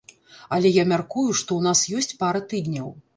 Але я мяркую, што ў нас ёсць пара тыдняў.